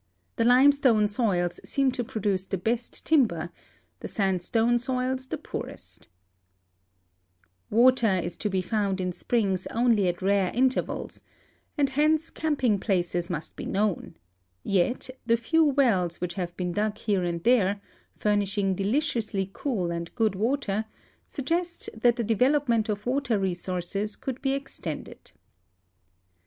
The limestone soils seem to jiroduce tiie best timber, the sandstone soils the poorest. 214 THE FOREISTS AND DESERTS OF ARIZONA Water is to be found in springs only at rare intervals, and hence camping places must be known ; 3'et the few wells which have been dug here and there, furnishing deliciously cool and good water, suggest that the development of water resources could be extended.